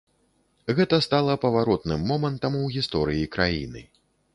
Гэта стала паваротным момантам у гісторыі краіны.